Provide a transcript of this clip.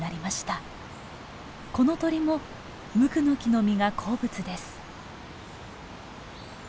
この鳥もムクノキの実が好物です。